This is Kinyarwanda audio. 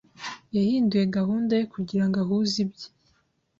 Yahinduye gahunda ye kugirango ahuze ibye.